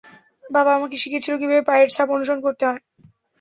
বাবা আমাকে শিখিয়েছিল কীভাবে পায়ের ছাপ অনুসরণ করতে হয়।